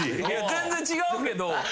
全然違うけど。